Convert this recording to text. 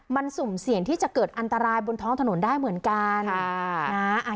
มันสุ่มเสี่ยงที่จะเกิดอันตรายบนท้องถนนได้เหมือนกัน